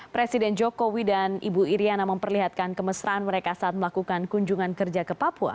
presiden jokowi dan ibu iryana memperlihatkan kemesraan mereka saat melakukan kunjungan kerja ke papua